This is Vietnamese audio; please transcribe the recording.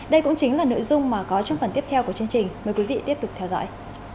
đây cũng chính là nội dung mà có trong phần tiếp theo của chương trình mời quý vị tiếp tục theo dõi